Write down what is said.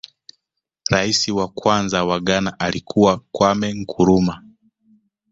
rais wa kwanza wa ghana alikuwa kwame nkurumah